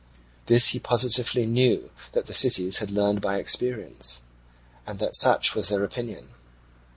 This he positively knew that the cities had learned by experience, and that such was their opinion.